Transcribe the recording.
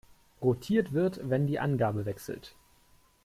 Rotiert wird, wenn die Angabe wechselt.